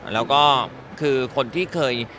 แล้วก็คือคนที่เคย